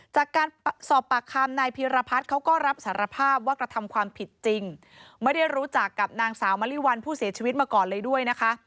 จากการสอบปากคำนายพีรพัฒน์เขาก็รับสารภาพว่ากระทำความผิดจริงไม่ได้รู้จักกับนางสาวมะลิวัลผู้เสียชีวิตมาก่อนเลยด้วยนะคะ